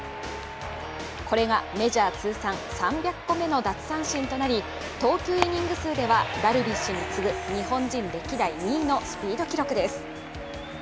これがメジャー通算３００個目の奪三振となり、投球イニング数ではダルビッシュに次ぐ日本人歴代２位のスピード記録です。